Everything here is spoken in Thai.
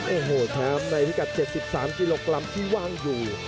โอ้โหแชมป์ในพิกัด๗๓กิโลกรัมที่ว่างอยู่